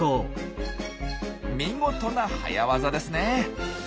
見事な早業ですね！